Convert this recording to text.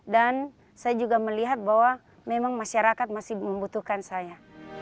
dan saya juga melihat bahwa memang masyarakat masih membutuhkan saya